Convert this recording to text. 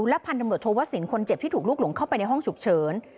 และพันธมรวจโทวสินคนเจ็บที่ถูกลุกหลงเข้าไปในห้องฉุกเฉิน